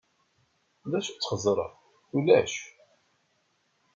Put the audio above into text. D acu d-txeẓẓreḍ? Ulac.